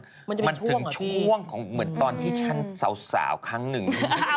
มันจะเป็นช่วงเหรอพี่มันถึงช่วงเหมือนตอนที่ชั้นสาวครั้งนึง